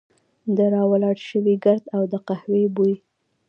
د را ولاړ شوي ګرد او د قهوې بوی.